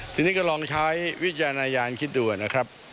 ทีนี้ก็ลองใช้วิจารณญาณคิดดูนะครับ